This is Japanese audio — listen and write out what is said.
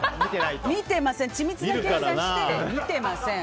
見てません！